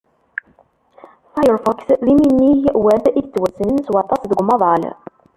Firefox d iminig Web i yettwassnen s waṭas deg umaḍal.